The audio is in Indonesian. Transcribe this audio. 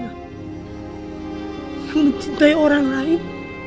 kau mencintai orang lain